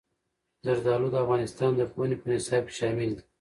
زردالو د افغانستان د پوهنې په نصاب کې شامل دي.